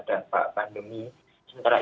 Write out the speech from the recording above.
dampak pandemi sementara